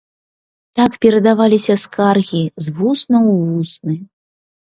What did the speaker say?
Так перадаваліся скаргі з вуснаў у вусны.